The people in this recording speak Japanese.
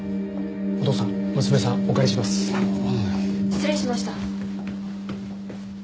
失礼しました。